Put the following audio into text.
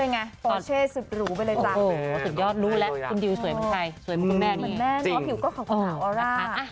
โอเคสุดยอดลู้แหละคุณดิวสวยเหมือนใคร